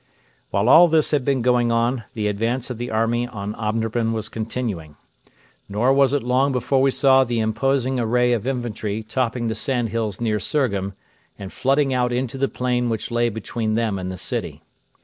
While all this had been going on, the advance of the army on Omdurman was continuing. Nor was it long before we saw the imposing array of infantry topping the sandhills near Surgham and flooding out into the plain which lay between them and the city.